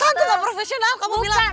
tante gak profesional kamu bilang